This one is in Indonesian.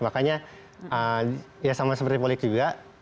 makanya ya sama seperti politik juga